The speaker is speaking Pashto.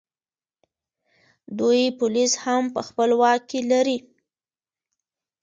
دوی پولیس هم په خپل واک کې لري